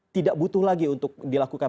tidak butuh lagi untuk dilakukan